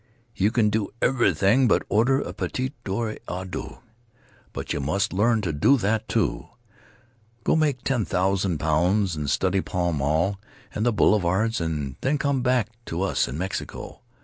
"You can do everything but order a petit dîner à deux, but you must learn to do that, too. Go make ten thousand pounds and study Pall Mall and the boulevards, and then come back to us in Mexico.